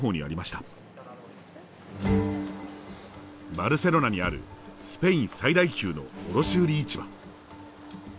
バルセロナにあるスペイン最大級の卸売市場。